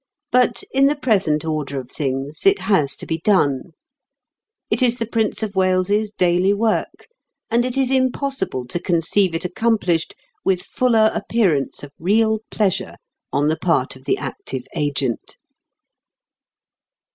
But, in the present order of things, it has to be done. It is the Prince of Wales's daily work, and it is impossible to conceive it accomplished with fuller appearance of real pleasure on the part of the active agent.